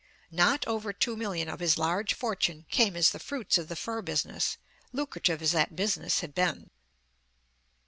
Not over two million of his large fortune came as the fruits of the fur business, lucrative as that business had been.